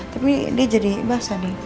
tapi dia jadi basah nih